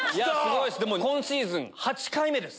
今シーズン８回目です。